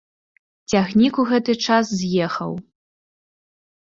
Цягнік у гэты час з'ехаў.